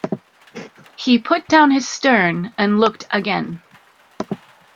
He put down his stern and looked again.